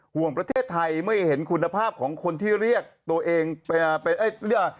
ห่วงประเทศไทยไม่เห็นคุณภาพของคนที่เรียกตัวเองเป็น